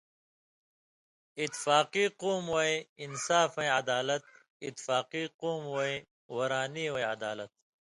اِتفاقی قومہ وَیں اِنصافی عدالت، اِتفاقی قومہ وَیں ورانی وَیں عدالت